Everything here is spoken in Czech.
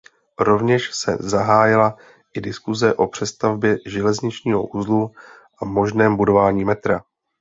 Rovněž se zahájila i diskuze o přestavbě železničního uzlu a možném budování metra.